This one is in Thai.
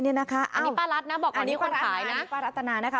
เนี่ยนะคะอันนี้ป้ารัตนะบอกว่าอันนี้คนขายนะอันนี้ป้ารัตนานะคะ